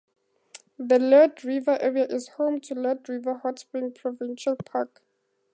The Liard River area is home to Liard River Hot Springs Provincial Park.